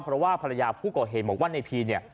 เพราะว่าภรรยาผู้ก่อเหตุบอกว่าในพีเนี่ย